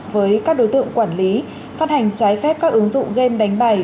với các đối tượng quản lý phát hành trái phép các ứng dụng game đánh bày